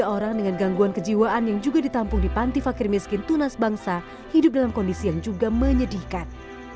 tiga orang dengan gangguan kejiwaan yang juga ditampung di panti fakir miskin tunas bangsa hidup dalam kondisi yang juga menyedihkan